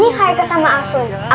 nah ini kaya sama asunda